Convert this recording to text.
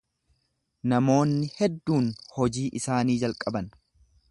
Namoonni hedduun hojii isaanii jalqaban.